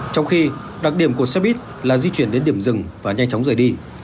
trong khi đặc điểm của xe buýt là di chuyển đến điểm dừng và nhanh chóng rời đi